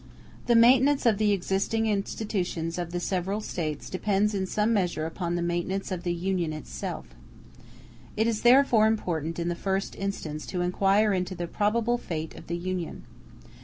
The maintenance of the existing institutions of the several States depends in some measure upon the maintenance of the Union itself. It is therefore important in the first instance to inquire into the probable fate of the Union.